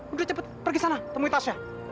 udah cepet pergi sana temui tasya